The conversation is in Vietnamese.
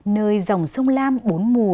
nơi dòng sông lam bốn mùa